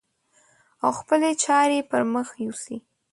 او خپلې چارې پر مخ يوسي.